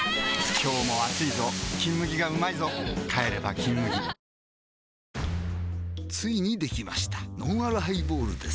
今日も暑いぞ「金麦」がうまいぞ帰れば「金麦」ついにできましたのんあるハイボールです